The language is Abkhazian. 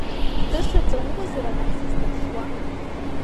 Тыша ҵаулазар анахь сызҭаԥшуа?